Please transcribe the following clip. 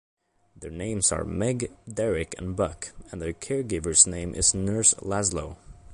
Their names are Meg, Derrick and Buck and their care-giver's name is Nurse Lazlo.